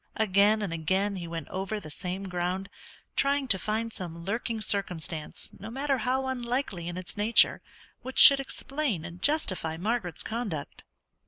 Again and again he went over the same ground, trying to find some lurking circumstance, no matter how unlikely in its nature, which should explain and justify Margaret's conduct.